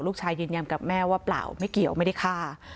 ยืนยันกับแม่ว่าเปล่าไม่เกี่ยวไม่ได้ฆ่า